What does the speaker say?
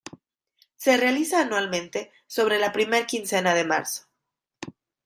Se realiza anualmente sobre la primera quincena de marzo.